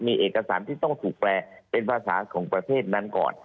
มีเอกสารที่ต้องถูกแปลเป็นภาษาของประเทศนั้นก่อน